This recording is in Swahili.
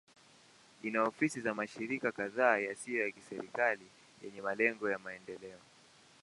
Ina ofisi za mashirika kadhaa yasiyo ya kiserikali yenye malengo ya maendeleo.